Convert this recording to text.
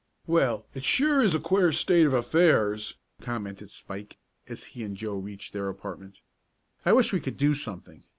"Well, it sure is a queer state of affairs," commented Spike, as he and Joe reached their apartment. "I wish we could do something.